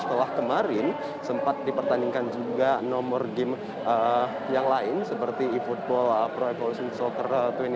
setelah kemarin sempat dipertandingkan juga nomor game yang lain seperti e football pro evolution soccer dua ribu dua puluh